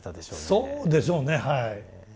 そうでしょうねはい。